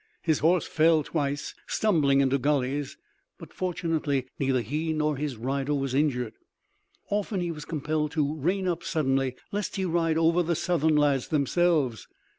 His horse fell twice, stumbling into gulleys, but fortunately neither he nor his rider was injured. Often he was compelled to rein up suddenly lest he ride over the Southern lads themselves.